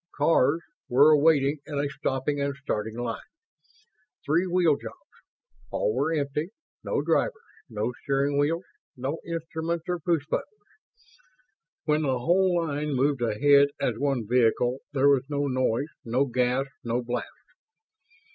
"Cars" were waiting, in a stopping and starting line. Three wheel jobs. All were empty. No drivers, no steering wheels, no instruments or push buttons. When the whole line moved ahead as one vehicle there was no noise, no gas, no blast.